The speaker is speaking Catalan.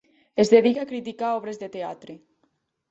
Es dedica a criticar obres de teatre.